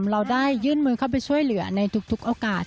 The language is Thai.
เราได้ยื่นมือเข้าไปช่วยเหลือในทุกโอกาส